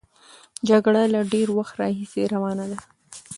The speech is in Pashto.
جګړه له ډېر وخت راهیسې روانه ده.